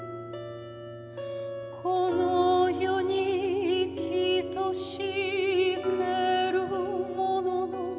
「この世に生きとし生けるものの」